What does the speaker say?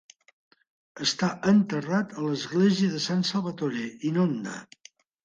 Està enterrat a l'església de San Salvatore in Onda.